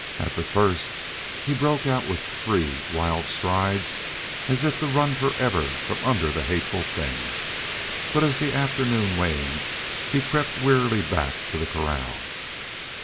At the first, he broke out with free wild stride as if to run forever from under the hateful thing. But as the afternoon waned he crept weariedly back to the corral.